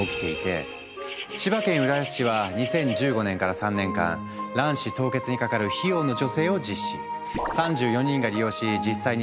千葉県浦安市は２０１５年から３年間卵子凍結にかかる費用の助成を実施。